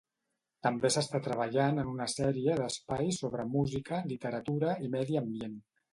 També s'està treballant en una sèrie d'espais sobre música, literatura i medi ambient.